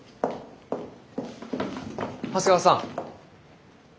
長谷川さん。